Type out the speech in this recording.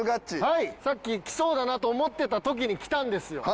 さっき来そうだなと思ってた時に来たんですよ。